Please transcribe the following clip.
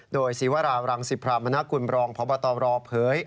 โดยศิวาราวรังศิพามานาคุณบรองพบรเผย